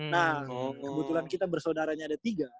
nah kebetulan kita bersaudaranya ada tiga